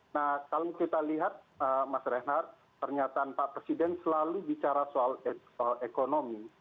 nah kalau kita lihat mas reinhardt pernyataan pak presiden selalu bicara soal ekonomi